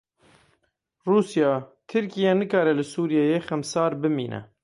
Rûsya, Tirkiye nikare li Sûriyeyê xemsar bimîne.